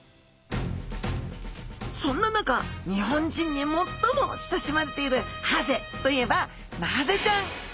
そんな中日本人に最も親しまれているハゼといえばマハゼちゃん。